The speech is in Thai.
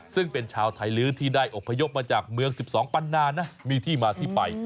ซึ่งเป็นชาวไทยลื้อที่ได้อบพยพมาจากเมือง๑๒ปันนานะมีที่มาที่ไป